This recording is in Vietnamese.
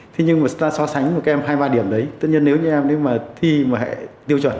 thế nhưng mà so sánh với các em hai mươi ba điểm đấy tất nhiên nếu như em đi mà thi vào hệ tiêu chuẩn